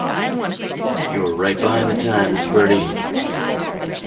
You're right behind the times, Bertie.